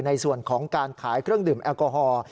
ในส่วนของการขายเครื่องดื่มแอลกอฮอล์